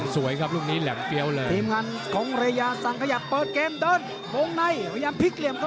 สวยครับรุ่นนี้แหล้มเปี้ยวเลย